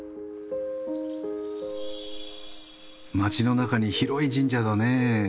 街の中に広い神社だね。